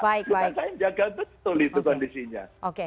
cuma saya jaga betul itu kondisinya